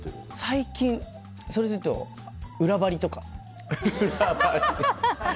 最近、それでいうと裏張りとか。